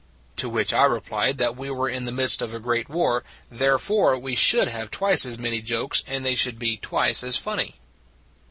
To which I replied that we were in the midst of a great war therefore we should have twice as many jokes and they should be twice as funny.